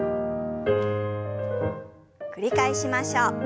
繰り返しましょう。